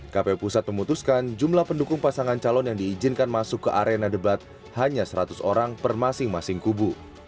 kpu pusat memutuskan jumlah pendukung pasangan calon yang diizinkan masuk ke arena debat hanya seratus orang per masing masing kubu